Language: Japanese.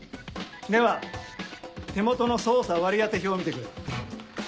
では手元の捜査割り当て表を見てくれ。